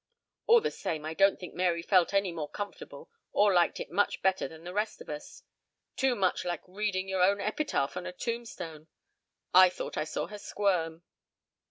... All the same I don't think Mary felt any more comfortable or liked it much better than the rest of us. Too much like reading your own epitaph on a tombstone. I thought I saw her squirm."